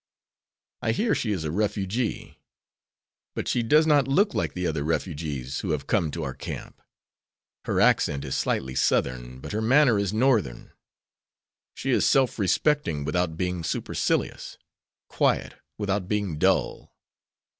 I hear she is a refugee, but she does not look like the other refugees who have come to our camp. Her accent is slightly Southern, but her manner is Northern. She is self respecting without being supercilious; quiet, without being dull.